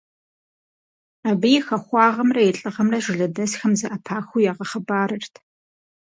Абы и хахуагъэмрэ и лӀыгъэмрэ жылэдэсхэм зэӀэпахыу ягъэхъыбарырт.